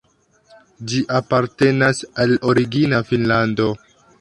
Ĝi apartenas al Origina Finnlando.